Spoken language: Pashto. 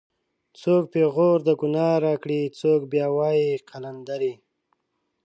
څوک پېغور د گناه راکړي څوک بیا وایي قلندرې